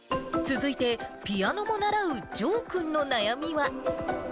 続いてピアノも習うじょうくんの悩みは。